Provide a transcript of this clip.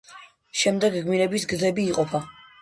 შემდეგ გმირების გზები იყოფა.